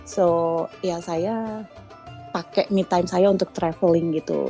so ya saya pakai me time saya untuk traveling gitu